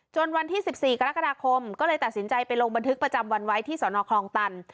วันที่๑๔กรกฎาคมก็เลยตัดสินใจไปลงบันทึกประจำวันไว้ที่สนคลองตัน